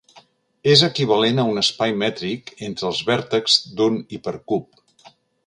És equivalent a un espai mètric entre els vèrtexs d'un hipercub.